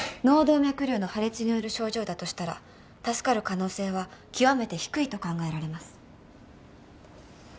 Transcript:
脳動脈瘤の破裂による症状だとしたら助かる可能性は極めて低いと考えられます。